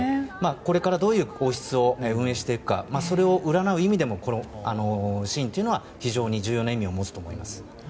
これからどういう王室を運営していくかそれを占う意味でもこのシーンは非常に重要な意味を持つと思います。